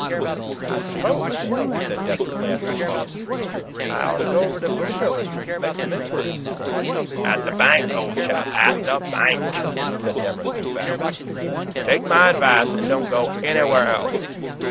"I suppose," he said desperately, after a pause, "I ought to go over to Boomville and make some inquiries." "At the bank, old chap; at the bank!" said Demorest emphatically. "Take my advice and don't go ANYWHERE ELSE.